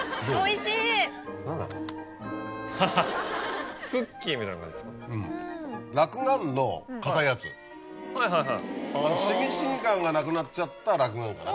しみしみ感がなくなっちゃったらくがんかな。